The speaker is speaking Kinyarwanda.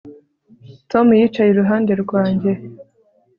Tom yicaye iruhande rwanjye